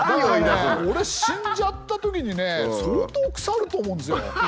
だから俺死んじゃったときにね相当腐ると思うんですよ。